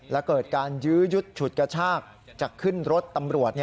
และเกิดการยื้อยุดฉุดกระชากจะขึ้นรถตำรวจ